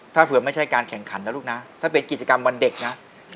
ถ้าเผื่อไม่ใช่การแข่งขันนะลูกนะถ้าเป็นกิจกรรมวันเด็กนะ